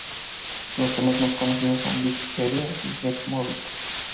Los temas más conocidos son "Big area" y "The motive".